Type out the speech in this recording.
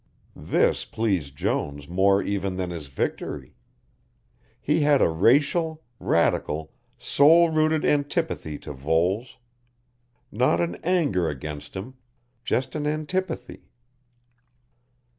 This pleased Jones more even than his victory. He had a racial, radical, soul rooted antipathy to Voles. Not an anger against him, just an antipathy.